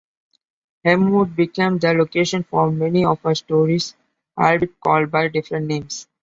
Elmwood became the location for many of her stories, albeit called by different names.